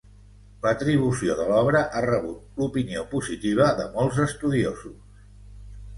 L'atribució de l'obra ha rebut l'opinió positiva de molts estudiosos.